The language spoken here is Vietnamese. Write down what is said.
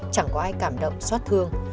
chẳng có ai cảm động xót thương